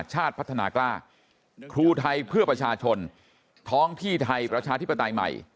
ชาติพัฒนากล้าครูไทยเพื่อประชาชนท้องที่ไทยประชาธิปไตยใหม่